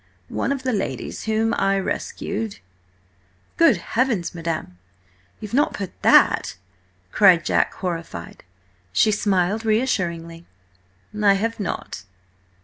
'One of the ladies whom I rescued—'" "Good heavens, madam, you've not put that?" cried Jack horrified. She smiled reassuringly. "I have not.